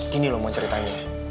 gini lo mau ceritanya